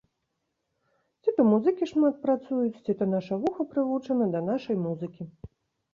Ці то музыкі шмат працуюць, ці то наша вуха прывучана да нашай музыкі.